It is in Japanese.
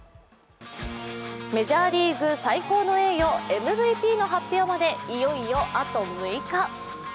メジャーリーグ最高の栄誉、ＭＶＰの発表までいよいよあと８日。